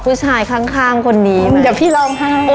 ที่ว่าพี่รอบห้าม